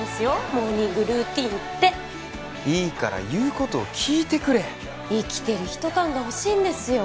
モーニングルーティンっていいから言うことを聞いてくれ生きてる人感がほしいんですよ